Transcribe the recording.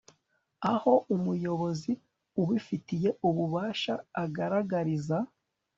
aho umuyobozi ubifitiye ububasha agaragariza